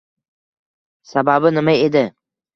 Sababi nima edi?